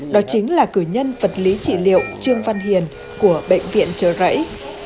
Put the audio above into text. đó chính là cử nhân vật lý trị liệu trương văn hiển của bệnh viện trời rẫy